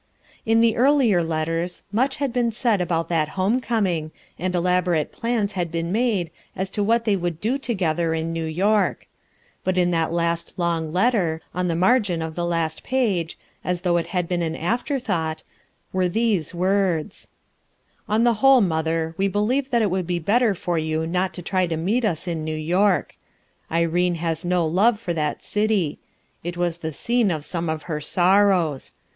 In the earlier letters much had been said about that home coming, and elaborate plana had been made m to what they would do to gether in New York. But in that last Ion" letter, on the margin of the last page, as though it had been an afterthought, were these words: — "On the whole, mother, we believe that it would be better for you not to try to meet us in New York. Irene has no love for that city ; it was the scene of some of her sorrows.